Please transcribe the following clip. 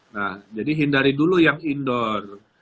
nah jadi hindari dulu yang indoor